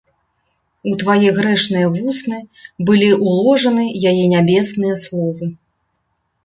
У твае грэшныя вусны былі ўложаны яе нябесныя словы.